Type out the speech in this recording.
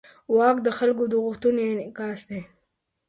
واک د خلکو د غوښتنو انعکاس دی.